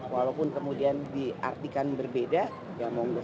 walaupun kemudian diartikan berbeda ya mohon gue saja